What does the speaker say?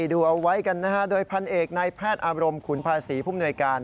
ดูเอาไว้กันนะฮะโดยพันเอกในแพทย์อาบรมขุนภาษีผู้มนวยการ